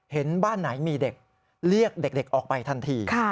เห็นบ้านไหนมีเด็กเรียกเด็กออกไปทันที